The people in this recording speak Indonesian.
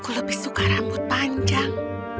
aku lebih suka rambut panjang